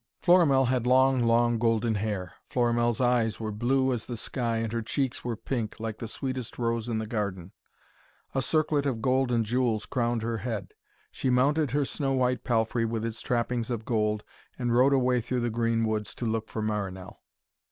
Florimell had long, long golden hair. Florimell's eyes were blue as the sky, and her cheeks were pink, like the sweetest rose in the garden. A circlet of gold and jewels crowned her head. She mounted her snow white palfrey with its trappings of gold, and rode away through the green woods to look for Marinell.